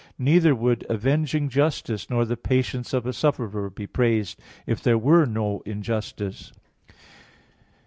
Neither would avenging justice nor the patience of a sufferer be praised if there were no injustice.